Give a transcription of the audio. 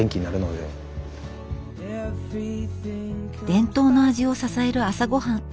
伝統の味を支える朝ごはん